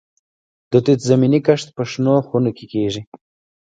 د توت زمینی کښت په شنو خونو کې کیږي.